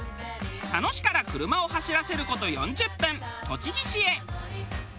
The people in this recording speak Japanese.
佐野市から車を走らせる事４０分栃木市へ。